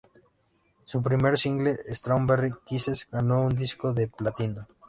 Su primer single, "Strawberry kisses", ganó un disco de platino.